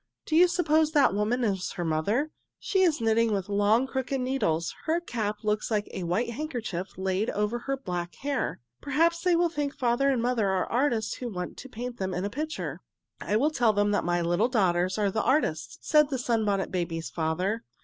"Do you suppose that woman is her mother? She is knitting with long, crooked needles. Her cap looks like a white handkerchief laid over her black hair. Perhaps they think father and mother are artists who want to paint them in a picture." "I will tell them that my little daughters are the artists," said the Sunbonnet Babies' father.